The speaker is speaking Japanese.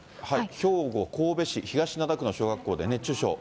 兵庫・神戸市東灘区の小学校で熱中症。